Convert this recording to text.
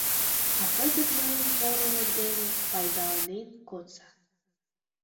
А кызыт мыйын порылык дене пайдаланен кодса.